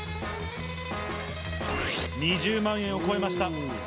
２０万円を超えました。